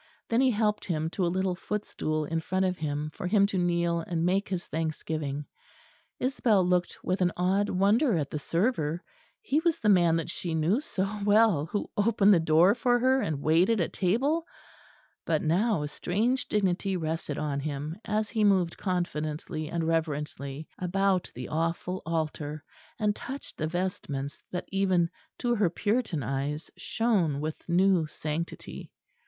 Then he helped him to a little footstool in front of him, for him to kneel and make his thanksgiving. Isabel looked with an odd wonder at the server; he was the man that she knew so well, who opened the door for her, and waited at table; but now a strange dignity rested on him as he moved confidently and reverently about the awful altar, and touched the vestments that even to her Puritan eyes shone with new sanctity.